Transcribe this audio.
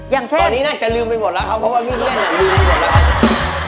ตอนนี้น่าจะลืมไปหมดแล้วครับเพราะว่าวิ่งเล่นลืมไปหมดแล้วครับ